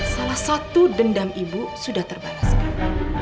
salah satu dendam ibu sudah terbataskan